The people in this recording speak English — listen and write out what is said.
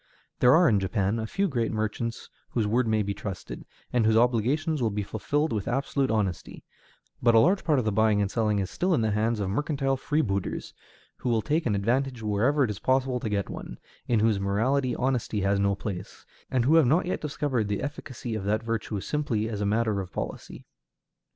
There are in Japan a few great merchants whose word may be trusted, and whose obligations will be fulfilled with absolute honesty; but a large part of the buying and selling is still in the hands of mercantile freebooters, who will take an advantage wherever it is possible to get one, in whose morality honesty has no place, and who have not yet discovered the efficacy of that virtue simply as a matter of policy.